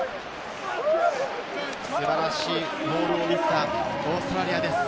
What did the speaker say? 素晴らしいモールを見せたオーストラリアです。